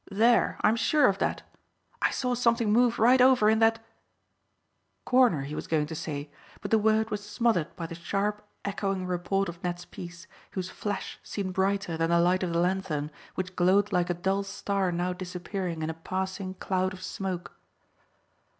"There, I'm sure of that. I saw something move right over in that " "Corner," he was going to say, but the word was smothered by the sharp echoing report of Ned's piece, whose flash seemed brighter than the light of the lanthorn, which glowed like a dull star now disappearing in a passing cloud of smoke.